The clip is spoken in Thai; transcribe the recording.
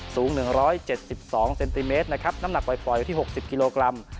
สูง๑๗๒เซนติเมตรนะครับน้ำหนักปล่อยอยู่ที่๖๐กิโลกรัม